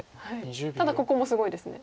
ただここもすごいですね。